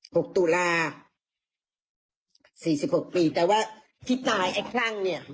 หกตุลา๔๖ปีแต่ว่าที่ตายไอ้ข้างเนี่ย